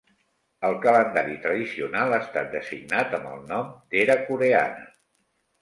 El calendari tradicional ha estat designat amb el nom d'era coreana.